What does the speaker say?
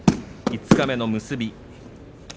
五日目の結び。